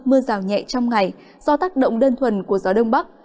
mưa rào nhẹ trong ngày do tác động đơn thuần của gió đông bắc